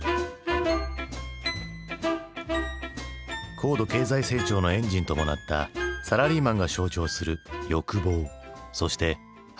高度経済成長のエンジンともなったサラリーマンが象徴する欲望そして憧れ。